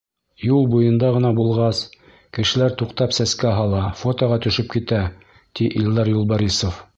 Юл буйында ғына булғас, кешеләр туҡтап сәскә һала, фотоға төшөп китә, — ти Илдар Юлбарисов.